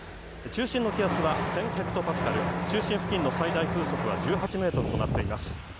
中心の気圧は１０００ｈＰａ、中心付近の最大風速は１８メートルとなっています。